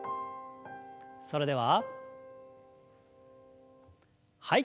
それでははい。